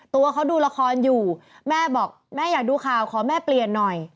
ตัวเขาดูละครอยู่แม่บอกแม่อยากดูข่าวขอแม่เปลี่ยนหน่อย